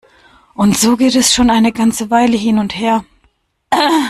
Und so geht es schon eine ganze Weile hin und her.